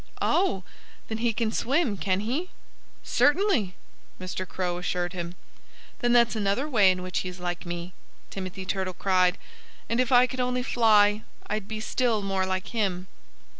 "Oh! Then he can swim, can he?" "Certainly!" Mr. Crow assured him. "Then that's another way in which he's like me!" Timothy Turtle cried. "And if I could only fly, I'd be still more like him."